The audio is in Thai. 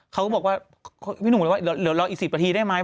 เขาก็บอกว่าอี๋๑๐ประทีได้ไหม